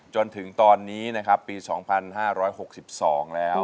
จนถึงตอนนี้นะครับปี๒๕๖๒แล้ว